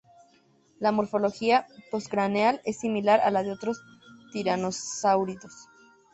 La morfología postcraneal es similar a la de otros tiranosáuridos.